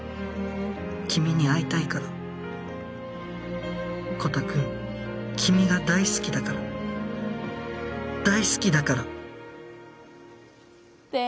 君に会いたいからコタくん君が大好きだから大好きだからてん。